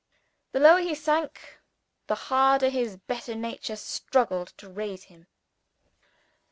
The lower he sank, the harder his better nature struggled to raise him.